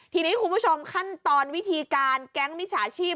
ทีนี้คุณผู้ชมขั้นตอนวิธีการแก๊งมิจฉาชีพ